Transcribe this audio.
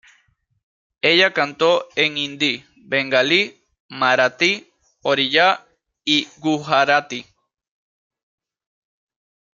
Ella cantó en hindi, bengalí, marathi, oriya y gujarati.